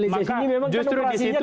maka justru disitu